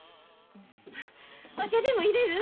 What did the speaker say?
お茶でもいれる？